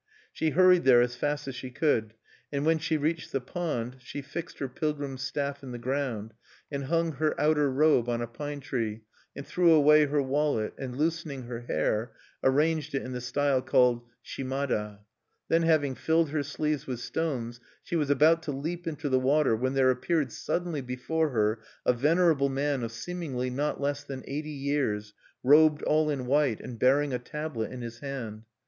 She hurried there as fast as she could. And when she reached the pond, she fixed her pilgrim's staff in the ground, and hung her outer robe on a pine tree, and threw away her wallet, and, loosening her hair, arranged it in the style called Shimada(2). Then, having filled her sleeves with stones, she was about to leap into the water, when there appeared suddenly before her a venerable man of seemingly not less than eighty years, robed all in white, and bearing a tablet in his hand.